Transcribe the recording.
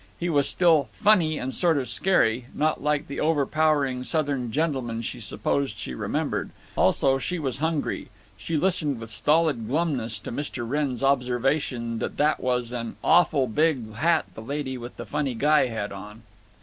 He was still "funny and sort of scary," not like the overpowering Southern gentlemen she supposed she remembered. Also, she was hungry. She listened with stolid glumness to Mr. Wrenn's observation that that was "an awful big hat the lady with the funny guy had on."